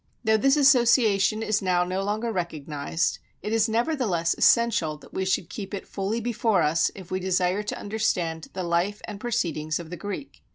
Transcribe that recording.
Though this association is now no longer recognized, it is nevertheless essential that we should keep it fully before us if we desire to understand the life and proceedings of the Greek.